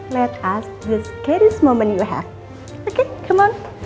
biarkan kita lihat momen paling menakutkan yang kamu punya